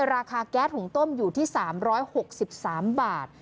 ราคาแก๊สหุงต้มอยู่ที่๓๖๓บาท